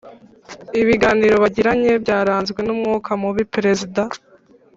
ibiganiro bagiranye byaranzwe n'umwuka mubi. perezida